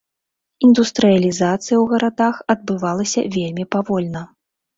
Індустрыялізацыя ў гарадах адбывалася вельмі павольна.